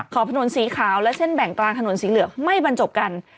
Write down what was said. ถนนสีขาวและเส้นแบ่งกลางถนนสีเหลืองไม่บรรจบกัน